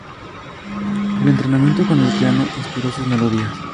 El entrenamiento con el piano inspiró sus melodías.